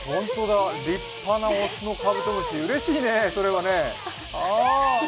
立派な雄のカブトムシうれしいね、それは。